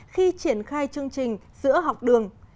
khi triển khai chương trình sữa học đường